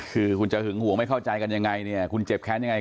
คือคุณจะหึงห่วงไม่เข้าใจกันยังไงเนี่ยคุณเจ็บแค้นยังไง